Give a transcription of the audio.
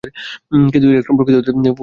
কিন্তু ইলেকট্রন প্রকৃত অর্থেই মূল কণিকা।